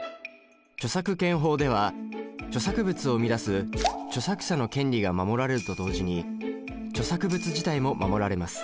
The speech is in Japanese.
著作権法では著作物を生み出す著作者の権利が守られると同時に著作物自体も守られます。